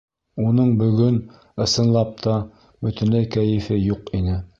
Уның бөгөн, ысынлап та, бөтөнләй кәйефе юҡ ине.